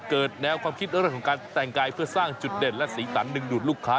แนวความคิดเรื่องของการแต่งกายเพื่อสร้างจุดเด่นและสีสันดึงดูดลูกค้า